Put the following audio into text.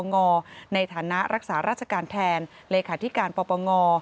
งในฐานะรักษาราชการแทนเลขาธิการปปง